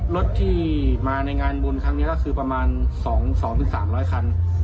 รถที่มาในงานบุญครั้งนี้ก็คือประมาณ๒๓๐๐คัน